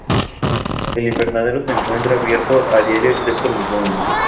El invernadero se encuentra abierto a diario excepto los lunes.